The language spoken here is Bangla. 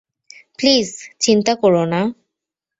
প্লিজ, চিন্তা করো না।